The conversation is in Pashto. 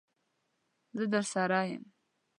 زه درسره یم.